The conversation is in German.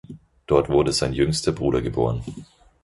Dort wurde sein jüngster Bruder geboren.